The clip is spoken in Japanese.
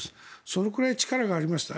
それくらい力がありました。